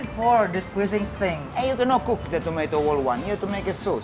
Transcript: kamu tidak bisa memasak semua tomat kamu harus membuat sos